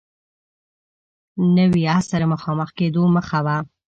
نوي عصر مخامخ کېدو مخه و.